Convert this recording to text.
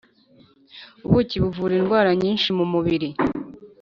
Ubuki buvura indwara nyinshi mumubiri